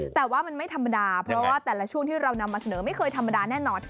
แต่ว่ามันไม่ธรรมดาเพราะว่าแต่ละช่วงที่เรานำมาเสนอไม่เคยธรรมดาแน่นอน